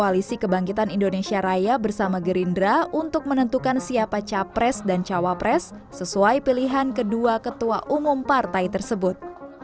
koalisi kebangkitan indonesia raya bersama gerindra untuk menentukan siapa capres dan cawapres sesuai pilihan kedua ketua umum partai tersebut